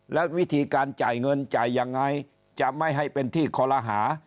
และวิธีการจ่ายเงินจ่ายยังไงจะไม่ให้เป็นที่คอลหา